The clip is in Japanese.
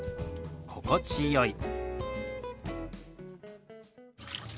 「心地よい」。